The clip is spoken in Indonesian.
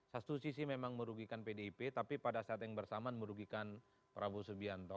satu sisi memang merugikan pdip tapi pada saat yang bersamaan merugikan prabowo subianto